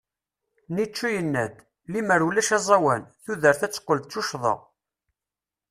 Nietzsche yenna-d: Lemmer ulac aẓawan, tudert ad teqqel d tuccḍa.